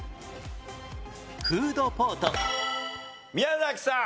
宮崎さん。